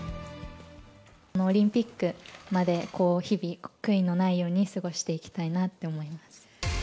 パリオリンピックまで日々、悔いのないように過ごしていきたいなって思います。